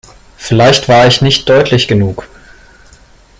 Vielleicht war ich nicht deutlich genug.